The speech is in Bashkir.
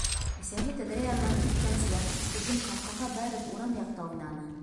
Әсәһе тәҙрә янынан киткәнсе, Яҡуп, тубын ҡапҡаға бәреп, урам яҡта уйнаны.